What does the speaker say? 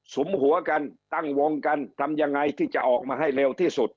มหัวกันตั้งวงกันทำยังไงที่จะออกมาให้เร็วที่สุด